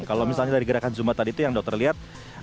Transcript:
kalau misalnya dari gerakan zumba tadi itu yang dokter lihat